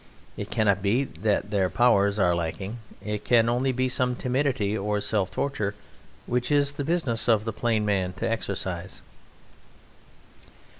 It cannot be that their powers are lacking: it can only be some timidity or self torture which it is the business of the plain man to exorcise.